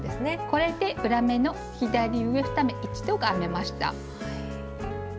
これで「裏目の左上２目一度」が編めました。